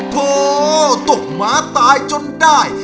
โถตกหมาตายจนได้